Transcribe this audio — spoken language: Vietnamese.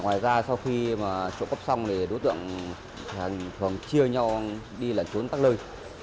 ngoài ra sau khi trụ cấp xong đối tượng thường chia nhau đi lẩn trốn tắt lơi